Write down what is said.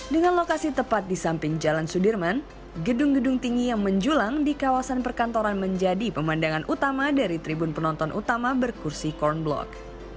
dengan lokasi tepat di samping jalan sudirman gedung gedung tinggi yang menjulang di kawasan perkantoran menjadi pemandangan utama dari tribun penonton utama berkursi corn block